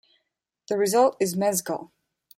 The result is mezcal.